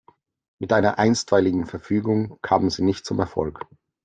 Mit einer Einstweiligen Verfügung kamen sie nicht zum Erfolg.